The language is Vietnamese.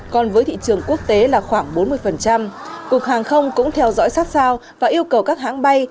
còn với thị trường quốc tế là khoảng bốn mươi cục hàng không cũng theo dõi sát sao và yêu cầu các hãng bay